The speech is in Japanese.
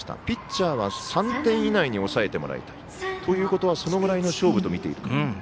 ピッチャーは３点以内に抑えてもらいたい。ということはそれくらいの勝負と見ていると。